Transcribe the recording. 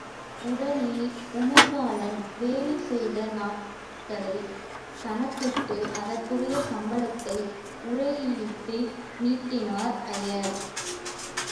உடனே, உமைபாலன் வேலை செய்த நாட்களைக் கணக்கிட்டு, அதற்குரிய சம்பளத்தை உறையிலிட்டு நீட்டினார் ஐயர்.